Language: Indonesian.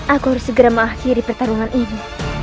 aku harus segera mengakhiri pertarungan ini